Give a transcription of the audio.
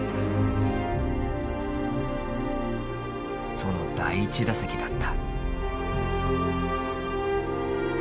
その第１打席だった。